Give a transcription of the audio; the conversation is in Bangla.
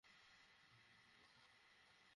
কী অবস্থা, মাসি?